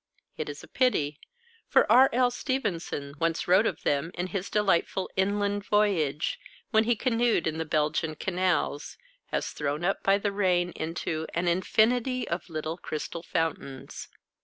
It is a pity; for R. L. Stevenson once wrote of them in his delightful "Inland Voyage," when he canoed in the Belgian canals, as thrown up by the rain into "an infinity of little crystal fountains."